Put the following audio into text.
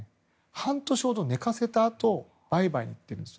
半年ほど寝かせたあと売買してるんです。